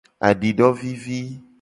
Adidovivi.